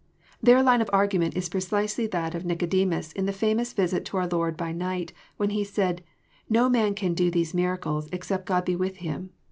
Their line of argnment Is precisely that of Nico demus in the famous visit to our Lord by night, when he said, '< No man can do these miracles except God be with him."